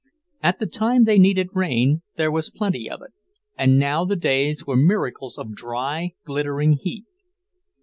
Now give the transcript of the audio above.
At the time they needed rain, there was plenty of it; and now the days were miracles of dry, glittering heat.